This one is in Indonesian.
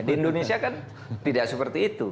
di indonesia kan tidak seperti itu